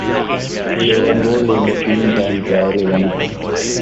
They won gold in the team time trial event.